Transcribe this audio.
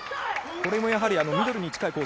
これもやはり、ミドルに近いコー